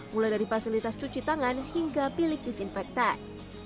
mulai dari fasilitas cuci tangan hingga bilik disinfektan